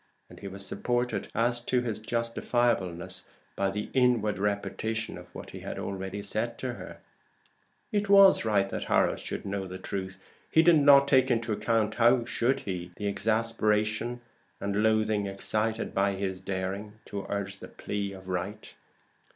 And he was supported as to his justifiableness by the inward repetition of what he had already said to her; it was right that Harold should know the truth. He did not take into account (how should he?) the exasperation and loathing excited by his daring to urge the plea of right.